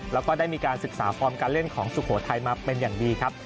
แล้วก็ได้มีการศึกษาฟอร์มการเล่นของสุโขทัยมาเป็นอย่างดีครับ